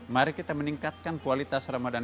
mari kita meningkatkan kualitas ramadan ini